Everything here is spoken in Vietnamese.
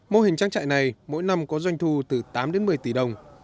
mô hình trang trại này mỗi năm có doanh thu từ tám đến một mươi tỷ đồng